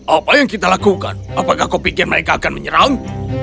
apa yang kita lakukan apakah kau pikir mereka akan menyerangku